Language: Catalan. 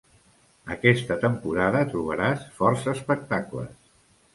Aquesta temporada trobaràs força espectacles.